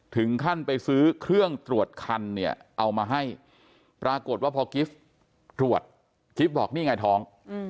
ถึงขั้นไปซื้อเครื่องตรวจคันเนี่ยเอามาให้ปรากฏว่าพอกิฟต์ตรวจกิฟต์บอกนี่ไงท้อง